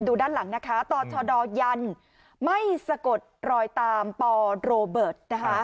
ด้านหลังนะคะต่อชดันไม่สะกดรอยตามปโรเบิร์ตนะคะ